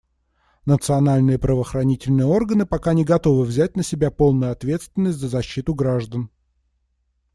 Национальные правоохранительные органы пока не готовы взять на себя полную ответственность за защиту граждан.